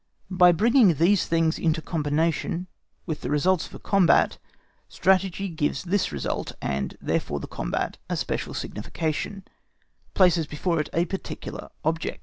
By bringing these things into combination with the results of a combat, strategy gives this result—and therefore the combat—a special signification, places before it a particular object.